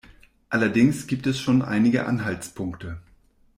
Allerdings gibt es schon einige Anhaltspunkte.